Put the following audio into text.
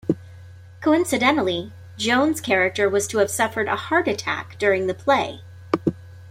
Coincidentally, Jones's character was to have suffered a heart attack during the play.